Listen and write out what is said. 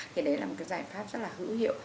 thì đấy là một cái giải pháp rất là hữu hiệu